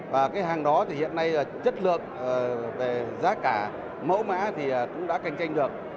và cái hàng đó thì hiện nay là chất lượng về giá cả mẫu mã thì cũng đã cạnh tranh được